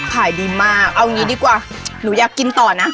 ขายดีมากเอางี้ดีกว่าหนูอยากกินต่อนะ